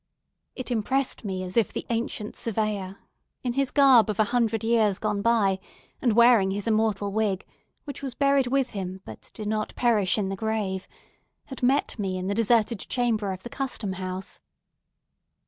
It impressed me as if the ancient Surveyor, in his garb of a hundred years gone by, and wearing his immortal wig—which was buried with him, but did not perish in the grave—had met me in the deserted chamber of the Custom House.